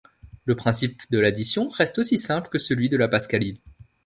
Le principe de l'addition reste aussi simple que celui de la Pascaline.